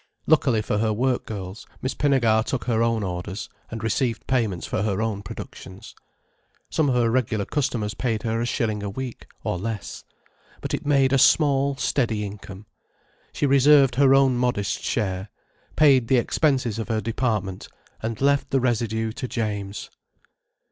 Luckily for her work girls, Miss Pinnegar took her own orders, and received payments for her own productions. Some of her regular customers paid her a shilling a week—or less. But it made a small, steady income. She reserved her own modest share, paid the expenses of her department, and left the residue to James.